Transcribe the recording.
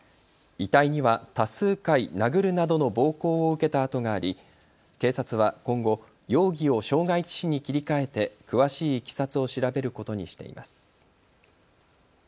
遺体には多数回殴るなどの暴行を受けた痕があり警察は今後、容疑を傷害致死に切り替えて詳しいいきさつを調べることにしています。